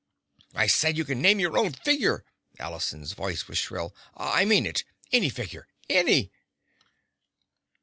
"I said you can name your own figure!" Allison's voice was shrill. "I mean it! Any figure! Any!"